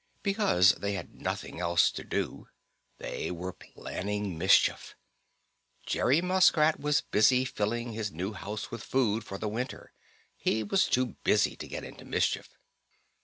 Because they had nothing else to do, they were planning mischief. Jerry Muskrat was busy filling his new house with food for the winter. He was too busy to get into mischief.